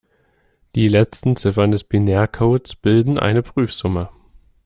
Die letzten Ziffern des Binärcodes bilden eine Prüfsumme.